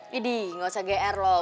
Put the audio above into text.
gidih gak usah gr loh